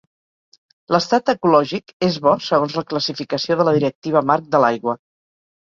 L’estat ecològic és Bo segons la classificació de la Directiva Marc de l'Aigua.